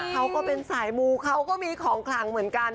เขาก็เป็นสายมูเขาก็มีของขลังเหมือนกัน